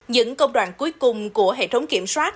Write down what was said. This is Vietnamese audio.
những công đoạn cuối cùng của hệ thống kiểm soát